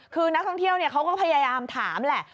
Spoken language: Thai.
คือนักท่องเที่ยวเขาก็พยายามถามแหละ